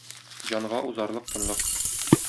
Җанга узарлык тынлык...